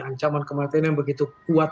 ancaman kematian yang begitu kuat